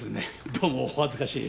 どうもお恥ずかしい。